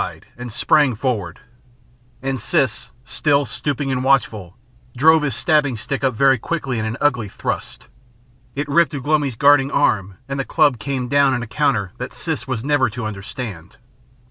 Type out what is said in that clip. "Wau!" he cried, and sprang forward, and Siss, still stooping and watchful, drove his stabbing stick up very quickly in an ugly thrust. It ripped Ugh lomi's guarding arm and the club came down in a counter that Siss was never to understand.